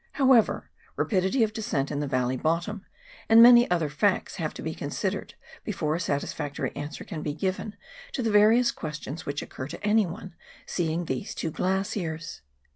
However, rapidity of descent in the valley bottom and many other facts have to be considered before a satisfactory answer can be given to the various questions which occur to anyone seeing these two glaciers.